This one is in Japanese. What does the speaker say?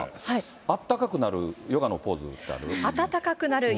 あったかくなるヨガのポーズ、知ってる？